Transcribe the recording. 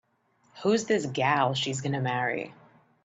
Who's this gal she's gonna marry?